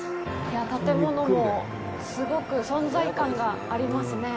建物も、すごく存在感がありますね。